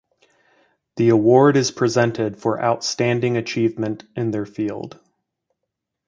The award is presented for outstanding achievement in their field.